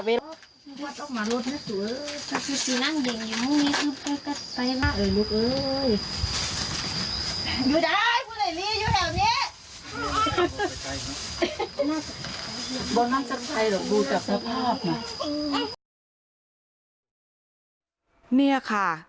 อ่ออยู่นั่งเด็งอยู่นี่นี่แก๊บด้านใดเมื่อกี้